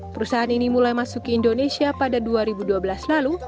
perusahaan ini mulai masuk ke indonesia pada dua ribu dua belas lalu